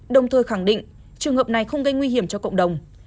đồng thời khẳng định trường hợp này không gây nguy hiểm cho cộng đồng